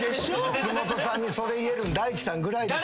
松本さんにそれ言えるの大地さんぐらいですよ。